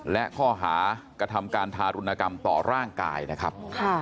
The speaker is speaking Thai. และข้อหากระทำการทารุณกรรมต่อร่างกายนะครับ